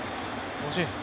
惜しい。